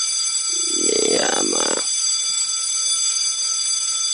蕾哈娜和拉沙佩勒以一笔未知数量的钱平息了这件事情。